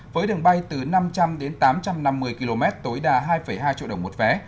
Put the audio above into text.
với đường bay từ năm trăm linh đến tám trăm năm mươi km tối đa hai hai triệu đồng một vé